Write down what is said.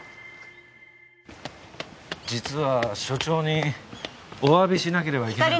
実は署長にお詫びしなければいけないことが。